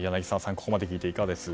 ここまで聞いていかがです？